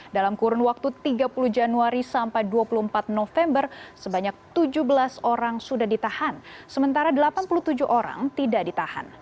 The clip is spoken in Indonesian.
dalam kurun waktu tiga puluh januari sampai dua puluh empat november sebanyak tujuh belas orang sudah ditahan sementara delapan puluh tujuh orang tidak ditahan